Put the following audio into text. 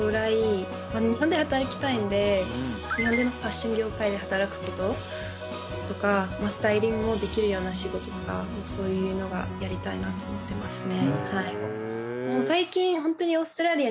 ファッション業界で働くこととかスタイリングもできるような仕事とかそういうのがやりたいなと思ってますね。